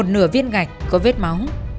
nửa viên gạch có vết máu